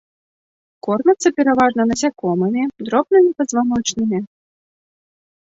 Кормяцца пераважна насякомымі, дробнымі пазваночнымі.